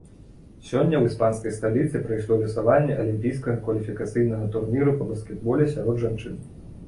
Сёння ў іспанскай сталіцы прайшло лёсаванне алімпійскага кваліфікацыйнага турніру па баскетболе сярод жанчын.